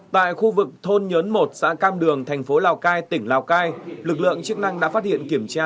tại khu vực thôn nhớn một xã cam đường thành phố lào cai tỉnh lào cai lực lượng chức năng đã phát hiện kiểm tra